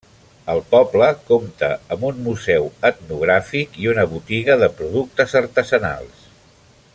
El poble compta amb un Museu Etnogràfic i una botiga de productes artesanals.